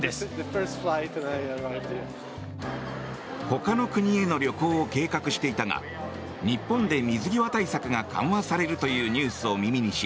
ほかの国への旅行を計画していたが日本で水際対策が緩和されるというニュースを耳にし